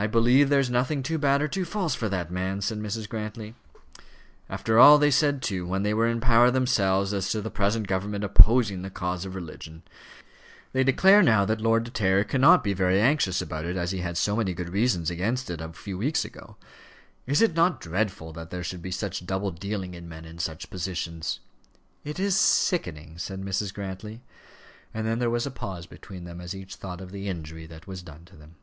"I believe there is nothing too bad or too false for that man," said Mrs. Grantly. "After all they said, too, when they were in power themselves, as to the present government opposing the cause of religion! They declare now that Lord De Terrier cannot be very anxious about it, as he had so many good reasons against it a few weeks ago. Is it not dreadful that there should be such double dealing in men in such positions?" "It is sickening," said Mrs. Grantly. And then there was a pause between them as each thought of the injury that was done to them.